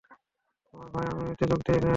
তোমার ভাই আর্মিতে যোগ দেয় নাই?